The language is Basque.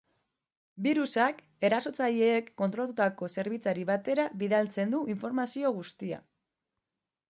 Birusak erasotzaileek kontrolatutako zerbitzari batera bidaltzen du informazio guztia.